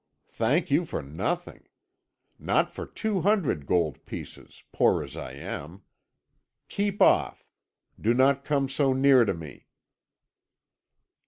"Thank you for nothing. Not for two hundred gold pieces, poor as I am. Keep off. Do not come so near to me."